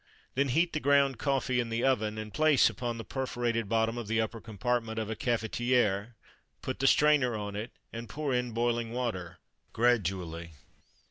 Then heat the ground coffee in the oven, and place upon the perforated bottom of the upper compartment of a cafetière, put the strainer on it, and pour in boiling water, gradually.